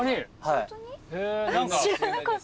ホントに？